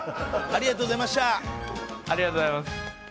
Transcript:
ありがとうございます。